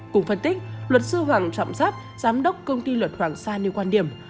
cùng phân tích luật sư hoàng trọng giáp giám đốc công ty luật hoàng sa nêu quan điểm